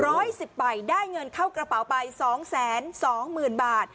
สิบใบได้เงินเข้ากระเป๋าไปสองแสนสองหมื่นบาท